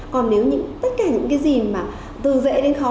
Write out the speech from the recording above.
còn nếu tất cả những cái gì từ dễ đến khó